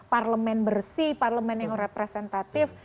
parlemen bersih parlemen yang representatif